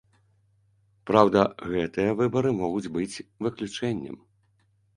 Праўда, гэтыя выбары могуць быць выключэннем.